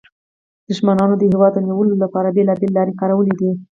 دښمنانو د هېواد د نیولو لپاره بیلابیلې لارې کارولې دي